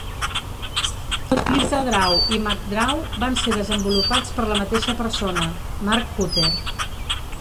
LisaDraw i MacDraw van ser desenvolupats per la mateixa persona, Mark Cutter.